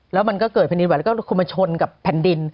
แล้วมันก็เกิดแผ่นดินไหวแล้วก็คุณมาชนกับแผ่นดิน